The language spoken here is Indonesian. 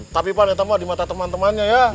tapi pak nanti pak di mata teman temannya ya